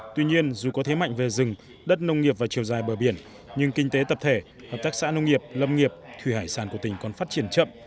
tuy nhiên dù có thế mạnh về rừng đất nông nghiệp và chiều dài bờ biển nhưng kinh tế tập thể hợp tác xã nông nghiệp lâm nghiệp thủy hải sản của tỉnh còn phát triển chậm